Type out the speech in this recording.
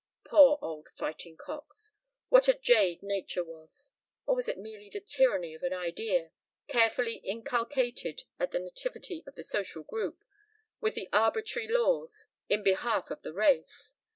Poor old fighting cocks! What a jade nature was ... or was it merely the tyranny of an Idea, carefully inculcated at the nativity of the social group, with other arbitrary laws, in behalf of the race?